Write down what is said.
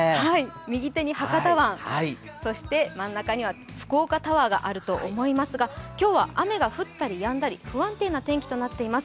右手に博多湾、そして真ん中には福岡タワーがあると思いますが今日は雨が降ったりやんだり、不安定な天気となっています。